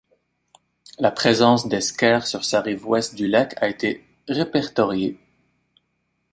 La présence d'eskers sur sa rive ouest du lac a été répertoriée.